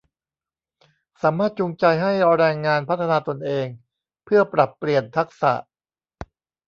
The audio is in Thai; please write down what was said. สามารถจูงใจให้แรงงานพัฒนาตนเองเพื่อปรับเปลี่ยนทักษะ